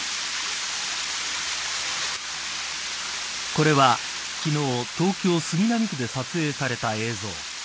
これは昨日東京、杉並区で撮影された映像。